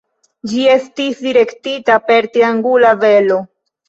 Ĝi estis direktita per triangula velo.